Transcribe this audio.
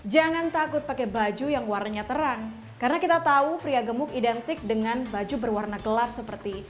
jangan takut pakai baju yang warnanya terang karena kita tahu pria gemuk identik dengan baju berwarna gelap seperti